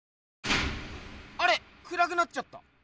あれ⁉くらくなっちゃった。